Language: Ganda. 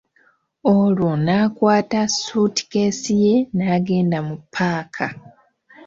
Olwo n'akwata suutikeesi ye n'agenda mu paaka.